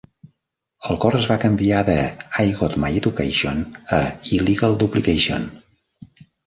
El cor es va canviar de "I Got My Education" a "Illegal Duplication".